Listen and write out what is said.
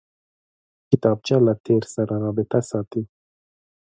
کتابچه له تېر سره رابطه ساتي